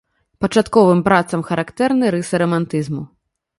Пачатковым працам характэрны рысы рамантызму.